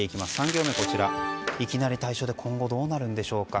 ３行目はいきなり退所で今後どうなるんでしょうか。